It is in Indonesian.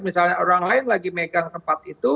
misalnya orang lain lagi megang tempat itu